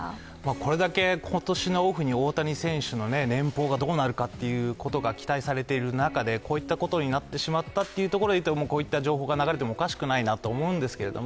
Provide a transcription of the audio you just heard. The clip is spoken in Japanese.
これだけ今年のオフに大谷選手の年俸がどうなるかということが期待されてる中で、こういったことになってしまったということでいうとこういった情報が流れてもおかしくないなとは思うんですけど